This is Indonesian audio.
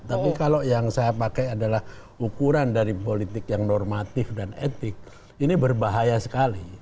tapi kalau yang saya pakai adalah ukuran dari politik yang normatif dan etik ini berbahaya sekali